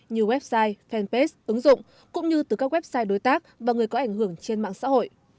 như website fanpage ứng dụng cũng như từ các website đối tác và người có ảnh hưởng trên mạng xã hội